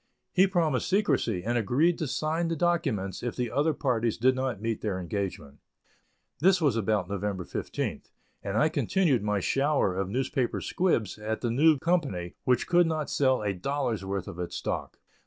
He promised secrecy, and agreed to sign the documents if the other parties did not meet their engagement. This was about November 15th, and I continued my shower of newspaper squibs at the new company, which could not sell a dollar's worth of its stock.